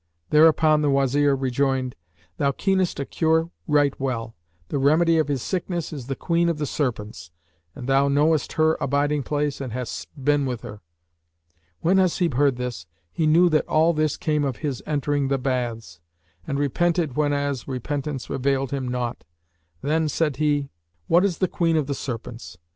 Thereupon the Wazir rejoined, "Thou keenest a cure right well; the remedy of his sickness is the Queen of the Serpents, and thou knowest her abiding place and hast been with her." When Hasib heard this, he knew that all this came of his entering the Baths, and repented whenas repentance availed him naught; then said he, "What is the Queen of the Serpents?